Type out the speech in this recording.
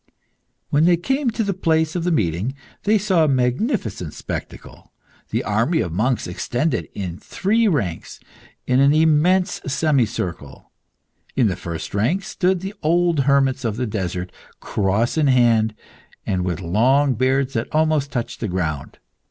When they came to the place of meeting, they saw a magnificent spectacle. The army of monks extended, in three ranks, in an immense semicircle. In the first rank stood the old hermits of the desert, cross in hand, and with long beards that almost touched the ground.